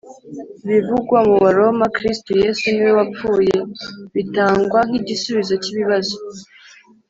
Ibivugwa mu Baroma "Kristo Yesu ni We wapfuye" bitangwa nk'igisubizo cy'ibibazo